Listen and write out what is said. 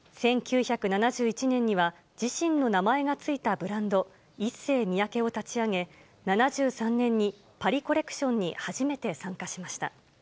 １９７１年には、自身の名前が付いたブランド、イッセイミヤケを立ち上げ、７３年にパリ・コレクションに初めて参加しました。